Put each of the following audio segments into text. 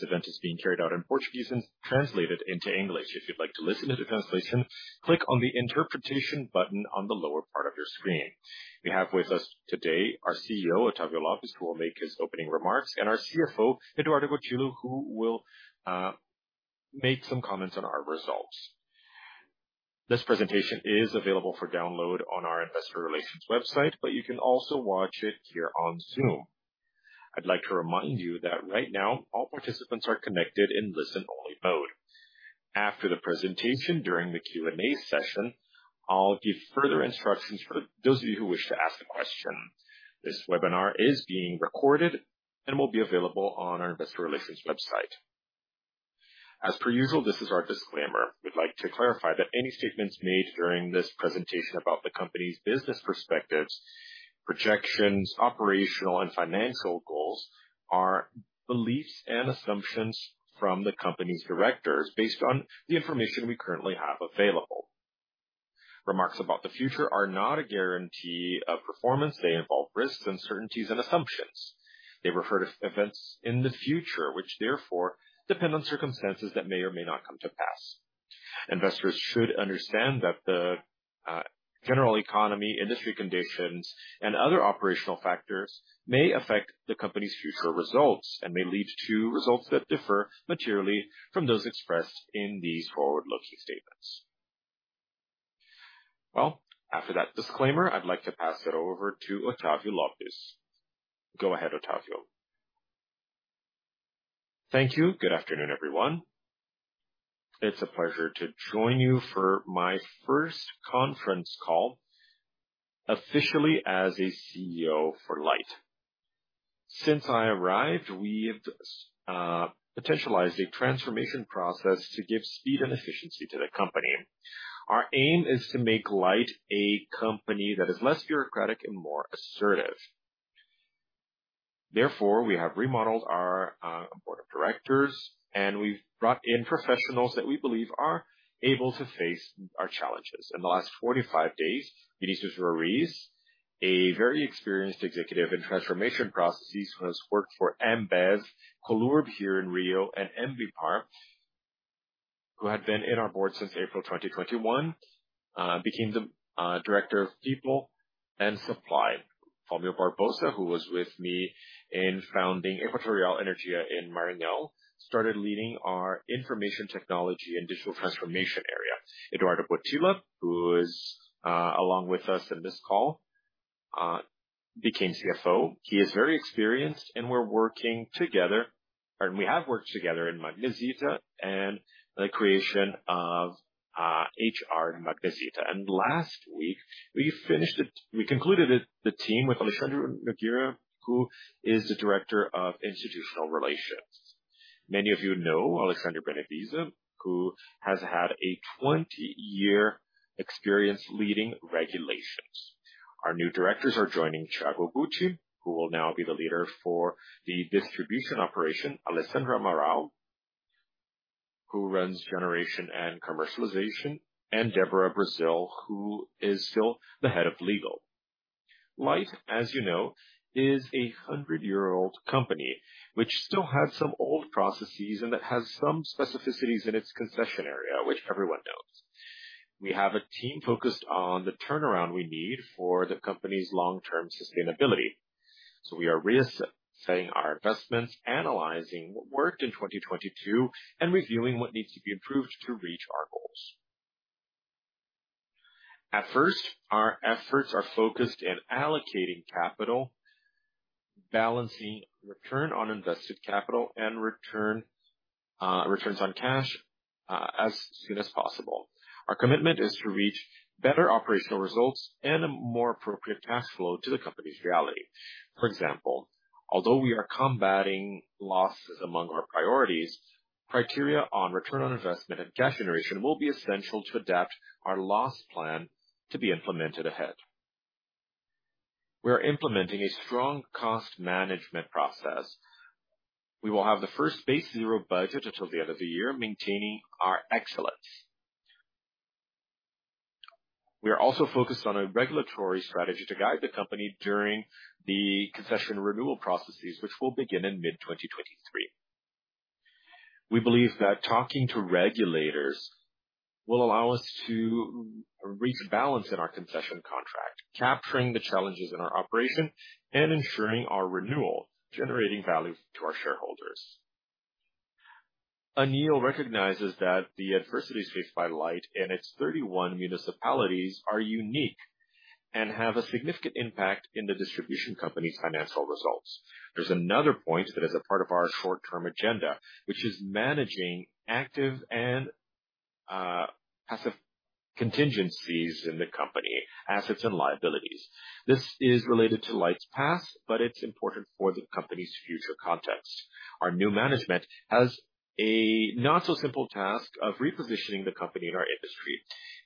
This event is being carried out in Portuguese and translated into English. If you'd like to listen to the translation, click on the interpretation button on the lower part of your screen. We have with us today our CEO, Octavio Lopes, who will make his opening remarks, and our CFO, Eduardo Botelho, who will make some comments on our results. This presentation is available for download on our investor relations website, but you can also watch it here on Zoom. I'd like to remind you that right now all participants are connected in listen-only mode. After the presentation, during the Q&A session, I'll give further instructions for those of you who wish to ask a question. This webinar is being recorded and will be available on our investor relations website. As per usual, this is our disclaimer. We'd like to clarify that any statements made during this presentation about the company's business perspectives, projections, operational and financial goals are beliefs and assumptions from the company's directors based on the information we currently have available. Remarks about the future are not a guarantee of performance. They involve risks, uncertainties, and assumptions. They refer to events in the future, which therefore depend on circumstances that may or may not come to pass. Investors should understand that the general economy, industry conditions, and other operational factors may affect the company's future results and may lead to results that differ materially from those expressed in these forward-looking statements. Well, after that disclaimer, I'd like to pass it over to Octavio Lopes. Go ahead, Octavio. Thank you. Good afternoon, everyone. It's a pleasure to join you for my first conference call officially as a CEO for Light. Since I arrived, we've potentialized a transformation process to give speed and efficiency to the company. Our aim is to make Light a company that is less bureaucratic and more assertive. Therefore, we have remodeled our board of directors, and we've brought in professionals that we believe are able to face our challenges. In the last 45 days, Denise Juarez, a very experienced executive in transformation processes, who has worked for Ambev, Comlurb here in Rio, and Ambipar, who had been in our board since April 2021, became the Director of People and Supply. Fabio Barbosa, who was with me in founding Equatorial Energia in Maranhão, started leading our information technology and digital transformation area. Eduardo Botelho, who is along with us in this call, became CFO. He is very experienced and we're working together. We have worked together in Magnesita and the creation of HR in Magnesita. Last week we finished it. We concluded it, the team with Alexandre Nogueira, who is the Director of Institutional Relations. Many of you know Alexandre Nogueira Ferreira, who has had a 20-year experience leading regulations. Our new directors are joining Thiago Freire Guth, who will now be the leader for the distribution operation. Alessandra Marão, who runs generation and commercialization, and Deborah Brasil, who is still the Head of Legal. Light, as you know, is a 100-year-old company which still has some old processes and that has some specificities in its concession area, which everyone knows. We have a team focused on the turnaround we need for the company's long-term sustainability, so we are resetting our investments, analyzing what worked in 2022, and reviewing what needs to be improved to reach our goals. At first, our efforts are focused in allocating capital, balancing return on invested capital, and returns on cash as soon as possible. Our commitment is to reach better operational results and a more appropriate cash flow to the company's reality. For example, although we are combating losses among our priorities, criteria on return on investment and cash generation will be essential to adapt our loss plan to be implemented ahead. We are implementing a strong cost management process. We will have the first zero-based budget until the end of the year, maintaining our excellence. We are also focused on a regulatory strategy to guide the company during the concession renewal processes, which will begin in mid 2023. We believe that talking to regulators will allow us to reach balance in our concession contract, capturing the challenges in our operation and ensuring our renewal, generating value to our shareholders. ANEEL recognizes that the adversities faced by Light and its 31 municipalities are unique and have a significant impact in the distribution company's financial results. There's another point that is a part of our short-term agenda, which is managing active and passive contingencies in the company, assets and liabilities. This is related to Light's path, but it's important for the company's future context. Our new management has a not so simple task of repositioning the company in our industry.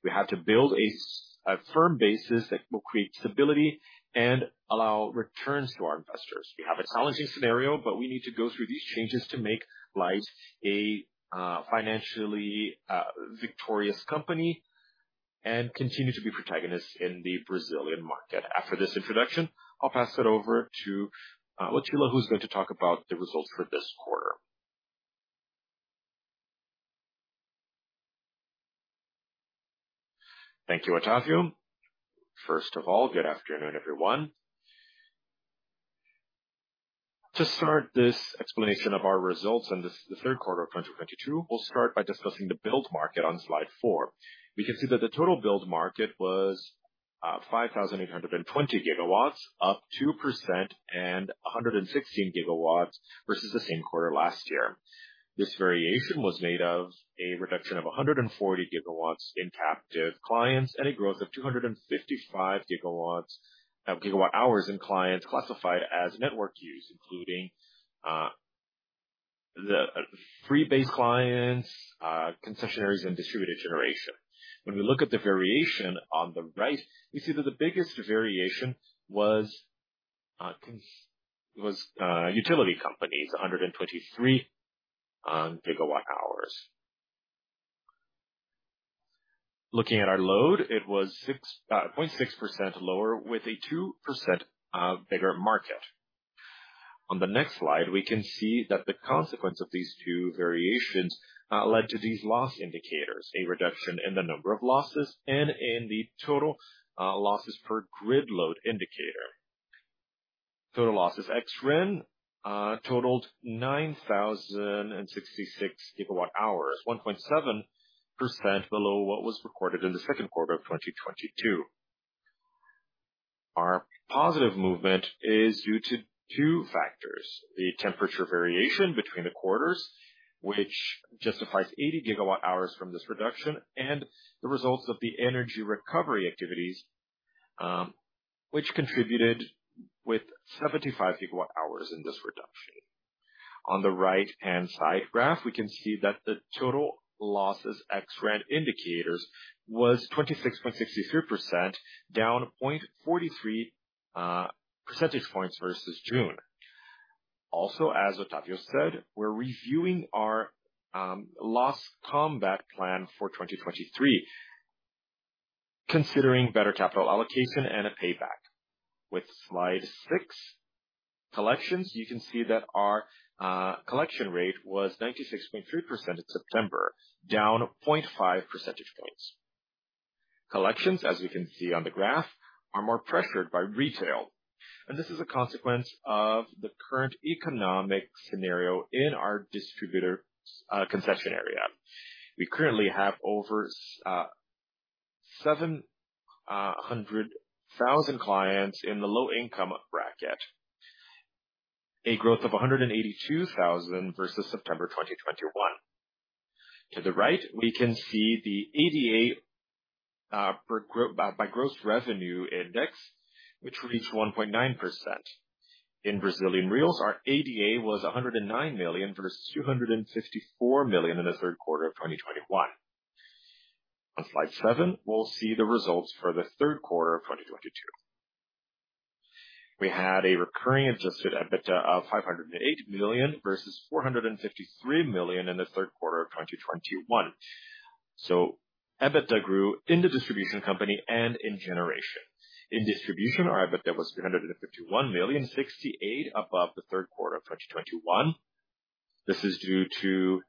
We have to build a firm basis that will create stability and allow returns to our investors. We have a challenging scenario, but we need to go through these changes to make Light a financially victorious company. Continue to be protagonists in the Brazilian market. After this introduction, I'll pass it over to Eduardo Botelho, who's going to talk about the results for this quarter. Thank you, Octavio Lopes. First of all, good afternoon, everyone. To start this explanation of our results in this, the third quarter of 2022, we'll start by discussing the billed market on slide four. We can see that the total billed market was 5,820 gigawatt-hours, up 2% and 116 gigawatt-hours versus the same quarter last year. This variation was made of a reduction of 140 GW in captive clients and a growth of 255 GWh in clients classified as network use, including the free market clients, concessionaires and distributed generation. When we look at the variation on the right, we see that the biggest variation was utility companies, 123 GWh. Looking at our load, it was 6.6% lower with a 2% bigger market. On the next slide, we can see that the consequence of these two variations led to these loss indicators, a reduction in the number of losses and in the total losses per grid load indicator. Total losses ex REN totaled 9,066 GWh, 1.7% below what was recorded in the second quarter of 2022. Our positive movement is due to two factors, the temperature variation between the quarters, which justifies 80 gigawatt-hours from this reduction, and the results of the energy recovery activities, which contributed with 75 GWh in this reduction. On the right-hand side graph, we can see that the total losses ex REN indicators was 26.63%, down 0.43 percentage points versus June. Also, as Octavio said, we're reviewing our loss combat plan for 2023, considering better capital allocation and a payback. With slide six, collections. You can see that our collection rate was 96.3% in September, down 0.5 percentage points. Collections, as we can see on the graph, are more pressured by retail, and this is a consequence of the current economic scenario in our distributor concession area. We currently have over 700,000 clients in the low-income bracket, a growth of 182,000 versus September 2021. To the right, we can see the ADA per gross revenue index, which reached 1.9%. In BRL, our ADA was 109 million versus 254 million in the third quarter of 2021. On slide 7, we'll see the results for the third quarter of 2022. We had a recurring Adjusted EBITDA of 508 million versus 453 million in the third quarter of 2021. EBITDA grew in the distribution company and in generation. In distribution, our EBITDA was 351 million, 68 above the third quarter of 2021. This is due to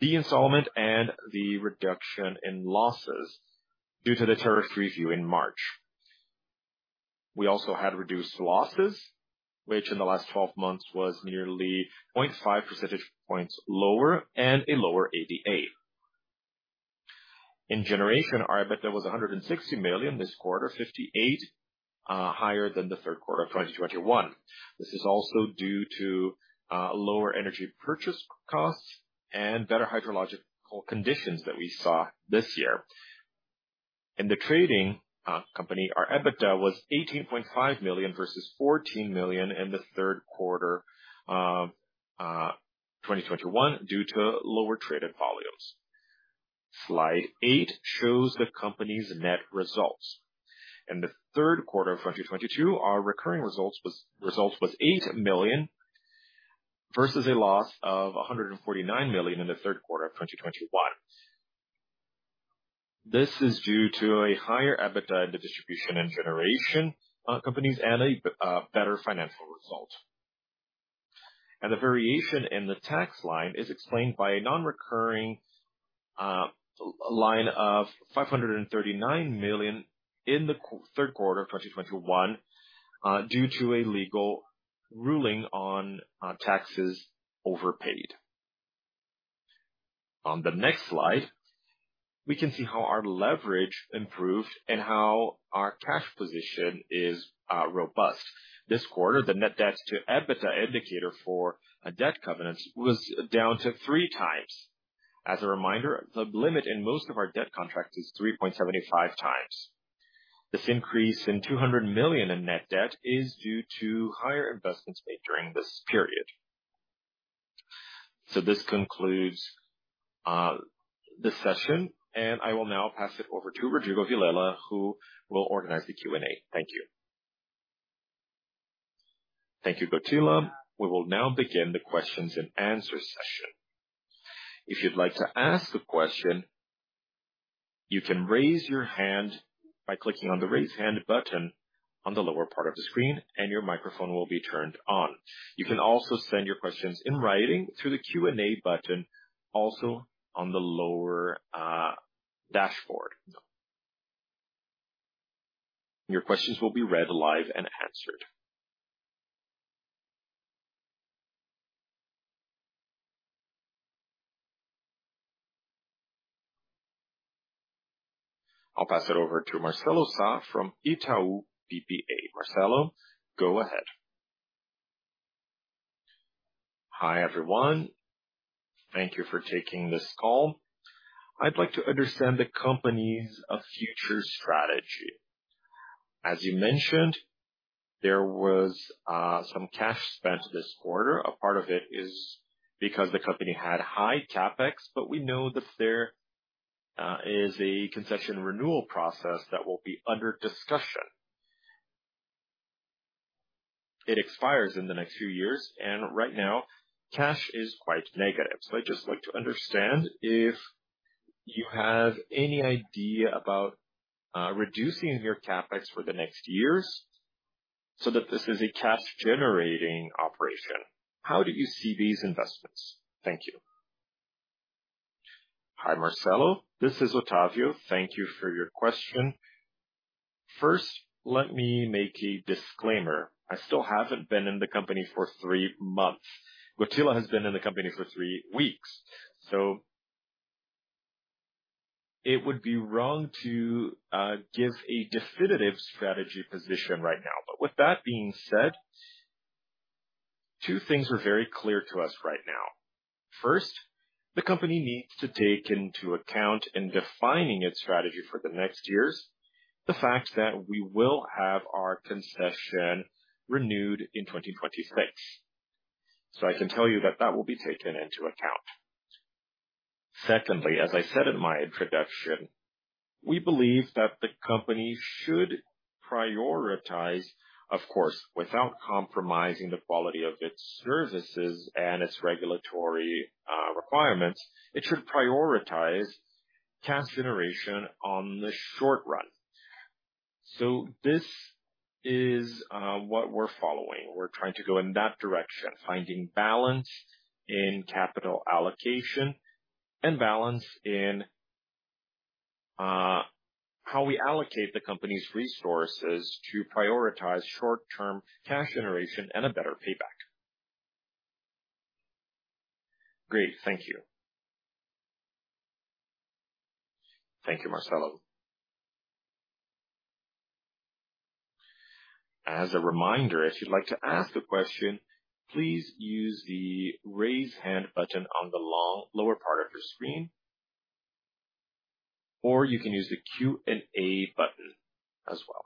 the installment and the reduction in losses due to the tariff review in March. We also had reduced losses, which in the last twelve months was nearly 0.5 percentage points lower and a lower ADA. In generation, our EBITDA was 160 million this quarter, 58 higher than the third quarter of 2021. This is also due to lower energy purchase costs and better hydrological conditions that we saw this year. In the trading company, our EBITDA was 18.5 million versus 14 million in the third quarter of 2021 due to lower traded volumes. Slide eight shows the company's net results. In the third quarter of 2022, our recurring results was eight million versus a loss of 149 million in the third quarter of 2021. This is due to a higher EBITDA in the distribution and generation companies and a better financial result. The variation in the tax line is explained by a non-recurring line of 539 million in the third quarter of 2021 due to a legal ruling on taxes overpaid. On the next slide, we can see how our leverage improved and how our cash position is robust. This quarter, the net debt to EBITDA indicator for a debt covenant was down to three times. As a reminder, the limit in most of our debt contracts is 3.75x. This increase in 200 million in net debt is due to higher investments made during this period. This concludes this session, and I will now pass it over to Rodrigo Vilela, who will organize the Q&A. Thank you. Thank you, Eduardo Botelho. We will now begin the questions and answer session. If you'd like to ask a question, you can raise your hand by clicking on the Raise Hand button on the lower part of the screen, and your microphone will be turned on. You can also send your questions in writing through the Q&A button also on the lower dashboard. Your questions will be read live and answered. I'll pass it over to Marcelo Sá from Itaú BBA. Marcelo, go ahead. Hi, everyone. Thank you for taking this call. I'd like to understand the company's future strategy. As you mentioned, there was some cash spent this quarter. A part of it is because the company had high CapEx, but we know that there is a concession renewal process that will be under discussion. It expires in the next few years, and right now cash is quite negative. I'd just like to understand if you have any idea about reducing your CapEx for the next years so that this is a cash generating operation. How do you see these investments? Thank you. Hi, Marcelo Sá. This is Octavio. Thank you for your question. First, let me make a disclaimer. I still haven't been in the company for three months. Eduardo Botelho has been in the company for three weeks. It would be wrong to give a definitive strategy position right now. With that being said, two things are very clear to us right now. First, the company needs to take into account in defining its strategy for the next years, the fact that we will have our concession renewed in 2026. I can tell you that that will be taken into account. Secondly, as I said in my introduction, we believe that the company should prioritize, of course, without compromising the quality of its services and its regulatory requirements. It should prioritize cash generation on the short run. This is what we're following. We're trying to go in that direction, finding balance in capital allocation and balance in how we allocate the company's resources to prioritize short-term cash generation and a better payback. Great. Thank you. Thank you, Marcelo. As a reminder, if you'd like to ask a question, please use the Raise Hand button on the lower part of your screen, or you can use the Q&A button as well.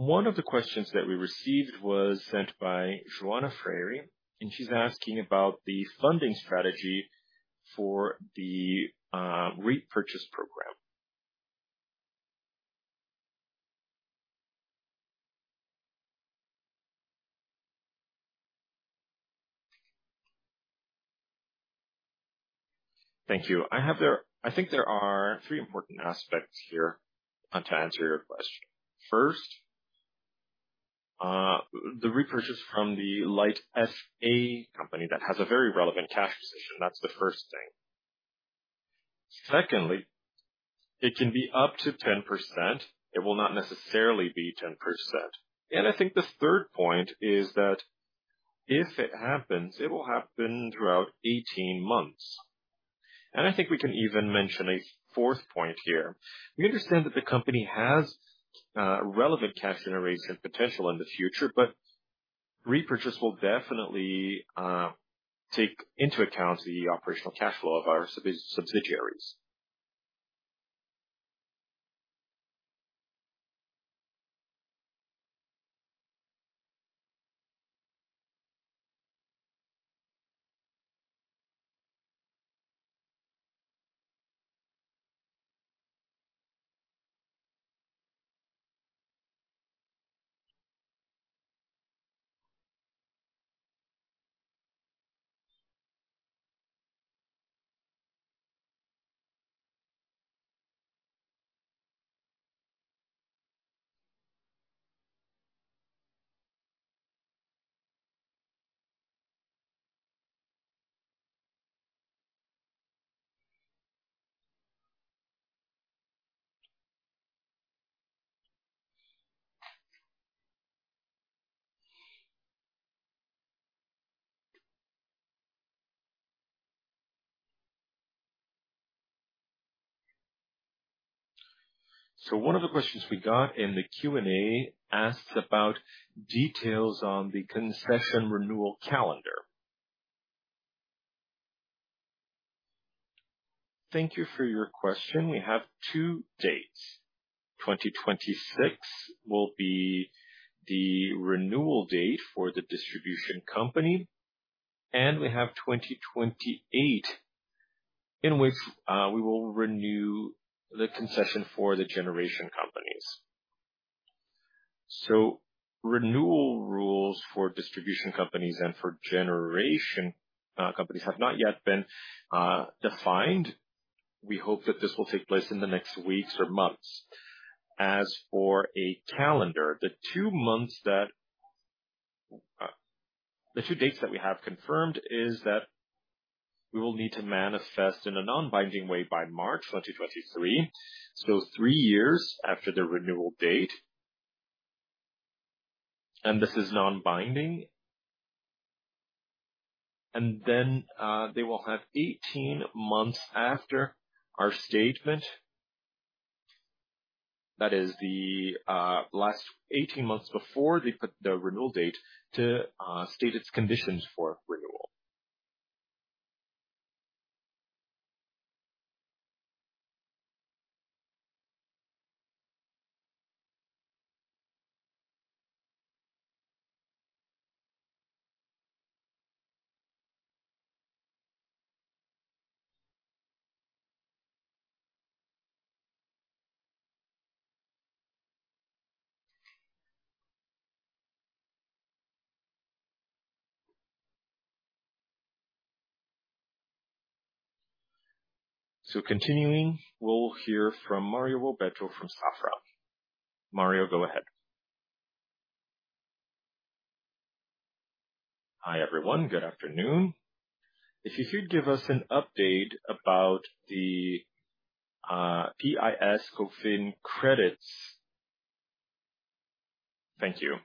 One of the questions that we received was sent by Joana Freire, and she's asking about the funding strategy for the repurchase program. Thank you. I think there are three important aspects here to answer your question. First, the repurchase from the Light S.A. company that has a very relevant cash position. That's the first thing. Secondly, it can be up to 10%. It will not necessarily be 10%. I think the third point is that if it happens, it will happen throughout 18 months. I think we can even mention a fourth point here. We understand that the company has relevant cash generation potential in the future, but repurchase will definitely take into account the operational cash flow of our subsidiaries. One of the questions we got in the Q&A asks about details on the concession renewal calendar. Thank you for your question. We have two dates. 2026 will be the renewal date for the distribution company, and we have 2028 in which we will renew the concession for the generation companies. Renewal rules for distribution companies and for generation companies have not yet been defined. We hope that this will take place in the next weeks or months. As for a calendar, the two dates that we have confirmed is that we will need to manifest in a non-binding way by March 2023. Three years after the renewal date. This is non-binding. They will have 18 months after our statement. That is the last 18 months before the renewal date to state its conditions for renewal. Continuing, we'll hear from Mario Roberto from Safra. Mario, go ahead. Hi, everyone. Good afternoon. If you could give us an update about the PIS/COFINS credits. Thank you.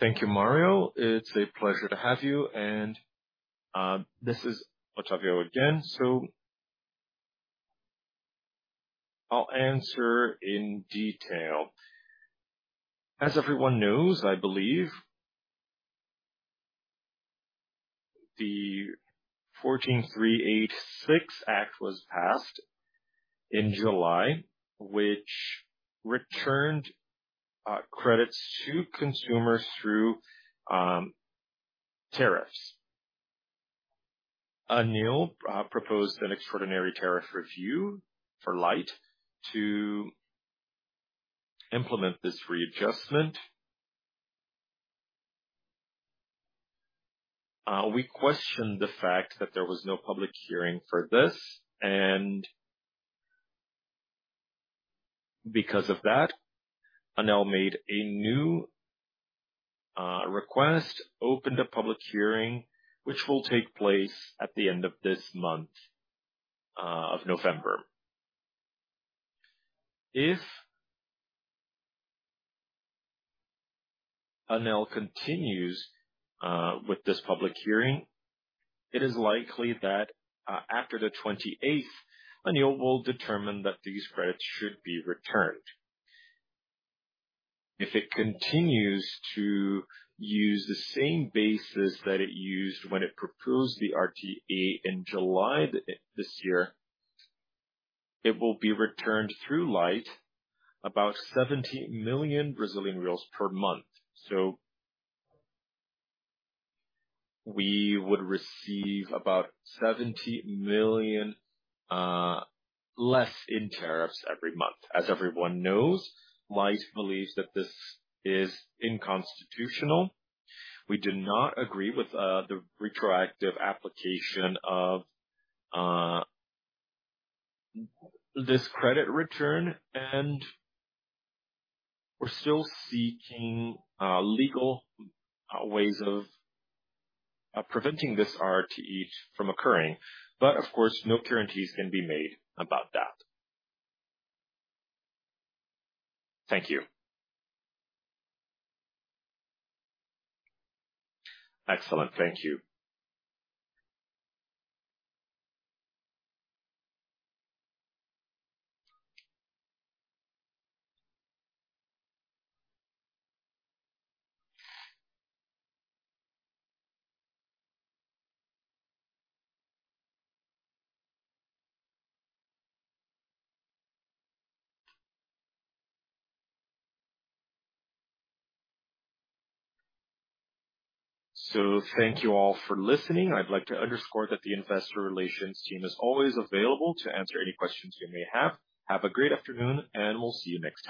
Thank you, Mario. It's a pleasure to have you. This is Octavio again, so I'll answer in detail. As everyone knows, I believe, the 14.385 Act was passed in July, which returned credits to consumers through tariffs. ANEEL proposed an extraordinary tariff review for Light to implement this readjustment. We questioned the fact that there was no public hearing for this. Because of that, ANEEL made a new request, opened a public hearing, which will take place at the end of this month of November. If ANEEL continues with this public hearing, it is likely that after the 28th, ANEEL will determine that these credits should be returned. If it continues to use the same basis that it used when it proposed the RTE in July this year, it will be returned through Light about 70 million Brazilian reais per month. We would receive about 70 million less in tariffs every month. As everyone knows, Light believes that this is unconstitutional. We do not agree with the retroactive application of this credit return, and we're still seeking legal ways of preventing this RTE from occurring. Of course, no guarantees can be made about that. Thank you. Excellent. Thank you. Thank you all for listening. I'd like to underscore that the investor relations team is always available to answer any questions you may have. Have a great afternoon, and we'll see you next time.